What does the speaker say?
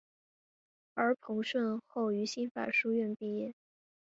而彭顺后于新法书院毕业。